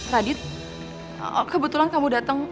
radit kebetulan kamu datang